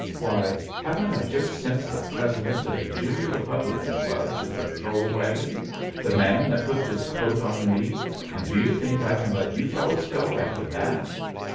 Why, haven't I just sent the president of the Junior Republican Club to the patrol wagon, the man that put this coat on me, and do you think I can let you fellows go after that?